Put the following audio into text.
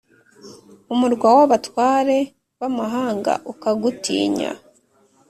umurwa w’abatware b’amahanga ukagutinya,